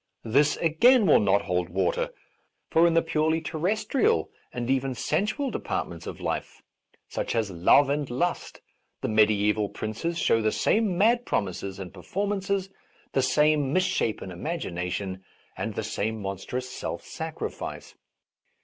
This, again, will .not hold water ; for in the purely terrestrial and even sensual departments of life, such as love and lust, the mediaeval princes show \the same mad promises and performances, the same misshapen imagination and the same monstrous self sacrifice.